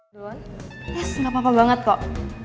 terus gak apa apa banget kok